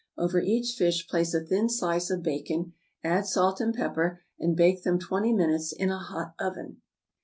Over each fish place a thin slice of bacon, add salt and pepper, and bake them twenty minutes in a hot oven.